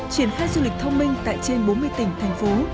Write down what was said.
triển khai du lịch thông minh tại trên bốn mươi tỉnh thành phố